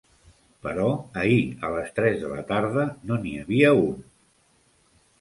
Però ahir a les tres de la tarda no n'hi havia un.